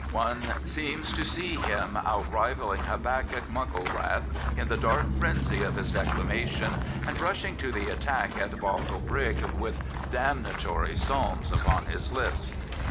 One seems to see him out rivalling Habakkuk Mucklewrath in the dark frenzy of his declamation, and rushing to the attack at Bothwell Brig with damnatory ps^ms upon his lips.